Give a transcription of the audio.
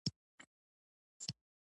زما زړه به ورسره باغ باغ شو.